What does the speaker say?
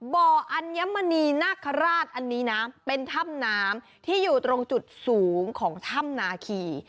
บ่ออัญมณีนาคาราชอันนี้นะเป็นถ้ำน้ำที่อยู่ตรงจุดสูงของถ้ำนาคี